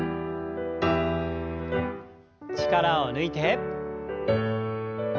力を抜いて。